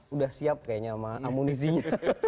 udah siap kayaknya sama amunisinya